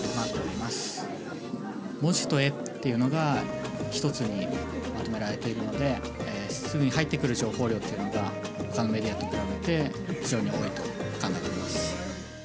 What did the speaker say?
文字と絵っていうのが一つにまとめられているのですぐに入ってくる情報量っていうのがほかのメディアと比べて非常に多いと考えています。